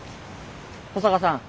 保坂さん